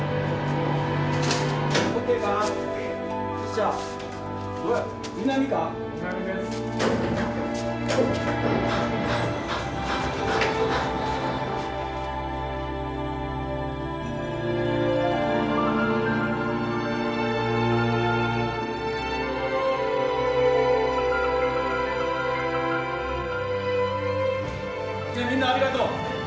じゃあみんなありがとう。